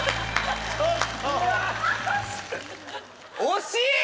惜しい！